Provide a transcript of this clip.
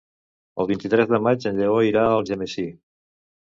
El vint-i-tres de maig en Lleó irà a Algemesí.